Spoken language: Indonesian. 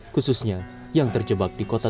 khususnya yang terjebak di kota